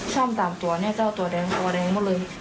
ช่องตามตัวจะเอาตัวแดงตัวแดงหมดเลย